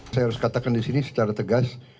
saya harus katakan disini secara tegas